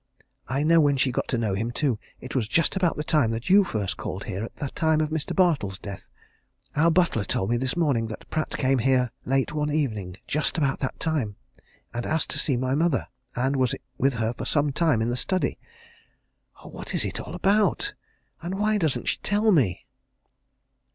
I know when she got to know him, too. It was just about the time that you first called here at the time of Mr. Bartle's death. Our butler told me this morning that Pratt came here late one evening just about that time! and asked to see my mother, and was with her for some time in the study. Oh! what is it all about? and why doesn't she tell me?"